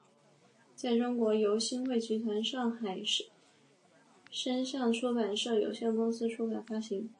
在中国由新汇集团上海声像出版社有限公司出版发行。